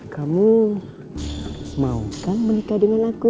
kamu mau kan menikah dengan aku